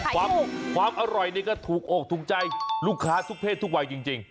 ความอร่อยนี่ก็ถูกอกถูกใจลูกค้าทุกเพศทุกวัยจริง